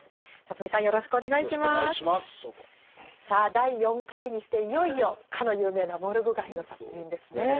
さあ第４回にしていよいよかの有名な「モルグ街の殺人」ですね。